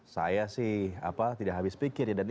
saya sih tidak habis pikir dan tidak berpikir